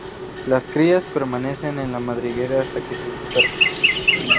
Las crías permanecen en la madriguera hasta que se dispersan.